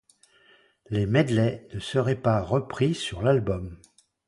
Les medleys ne seraient pas repris sur l'album.